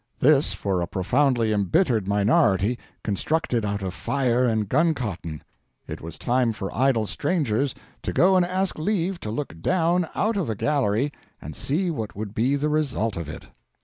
This, for a profoundly embittered minority constructed out of fire and gun cotton! It was time for idle strangers to go and ask leave to look down out of a gallery and see what would be the result of it.